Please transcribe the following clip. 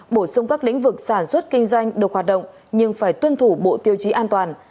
bổ sung các lĩnh vực sản xuất kinh doanh được hoạt động nhưng phải tuân thủ bộ tiêu chí an toàn